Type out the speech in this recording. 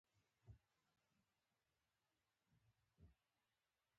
ارادې په باب رپوټونو خبر کړل.